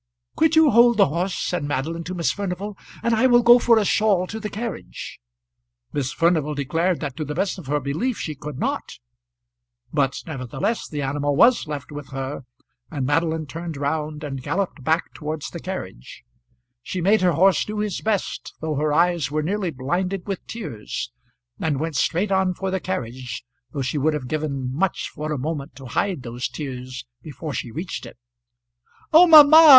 "Could you hold the horse?" said Madeline to Miss Furnival; "and I will go for a shawl to the carriage." Miss Furnival declared that to the best of her belief she could not, but nevertheless the animal was left with her, and Madeline turned round and galloped back towards the carriage. She made her horse do his best though her eyes were nearly blinded with tears, and went straight on for the carriage, though she would have given much for a moment to hide those tears before she reached it. "Oh, mamma!